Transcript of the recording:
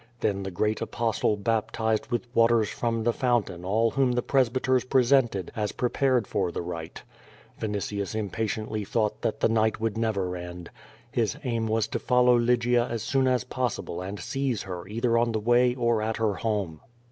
Then the great Apostle baptized with waters from the fountain all whom the presbyters pre sented as prepared for the rite. Vinitius impatiently thought that the night would never end. His aim was to follow Lygia cis soon as possible and seize her either on the way or at her home.